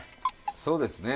そうですね